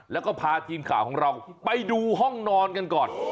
แล้วก็พาทีมข่าวของเราไปดูห้องนอนกันก่อน